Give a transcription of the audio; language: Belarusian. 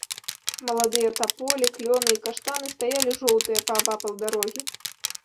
Маладыя таполі, клёны і каштаны стаялі жоўтыя паабапал дарогі.